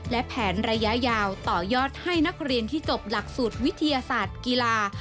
และแผนระยะยาวต่อยอดให้นักเรียนที่จบหลักสูตรวิทยาศาสตร์กีฬา